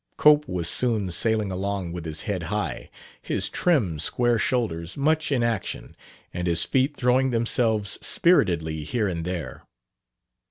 Cope was soon sailing along with his head high, his trim square shoulders much in action, and his feet throwing themselves spiritedly here and there.